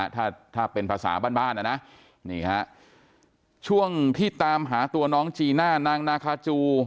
ถ้าถ้าเป็นภาษาบ้านบ้านนะนะนี่ฮะช่วงที่ตามหาตัวน้องจีน่านางนาคาจู